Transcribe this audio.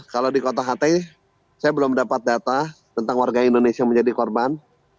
kalau di kota ht saya belum dapat data tentang warga indonesia yang menjadi korban